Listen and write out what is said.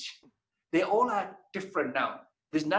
mereka semua berbeda sekarang